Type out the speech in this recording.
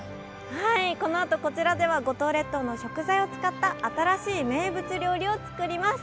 このあと、こちらでは五島列島の食材を使った新しい名物料理を作ります。